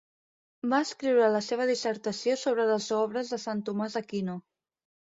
Va escriure la seva dissertació sobre les obres de Sant Tomàs d'Aquino.